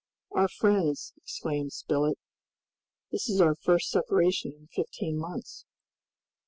"Our friends," exclaimed Spilett, "this is our first separation in fifteen months."